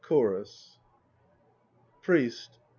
CHORUS. PRIEST.